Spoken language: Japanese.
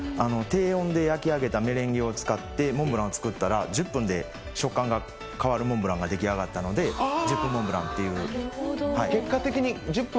低温で焼き上げたメレンゲを使ってモンブランを作ったら１０分で食感が変わるモンブランが出来上がったので１０分モンブランという。